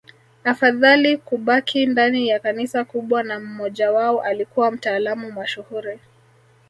Afadhali kubaki ndani ya Kanisa kubwa na mmojawao alikuwa mtaalamu mashuhuri